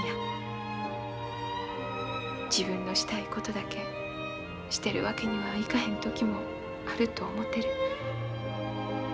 自分のしたいことだけしてるわけにはいかへん時もあると思てる。